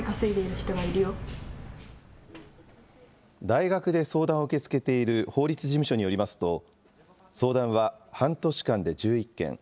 大学で相談を受け付けている法律事務所によりますと、相談は半年間で１１件。